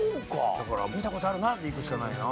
だから見た事あるなでいくしかないな。